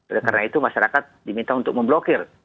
oleh karena itu masyarakat diminta untuk memblokir